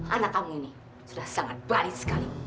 anak kamu ini sudah sangat baik sekali